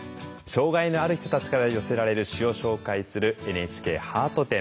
障害のある人たちから寄せられる詩を紹介するＮＨＫハート展。